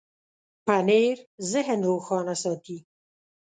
پنېر ذهن روښانه ساتي.